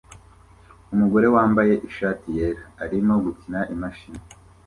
Umugore wambaye ishati yera arimo gukina imashini